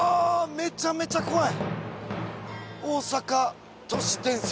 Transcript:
めちゃめちゃ怖い！